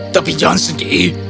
tapi jangan sedih